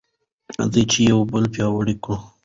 راځئ چې یو بل پیاوړي کړو.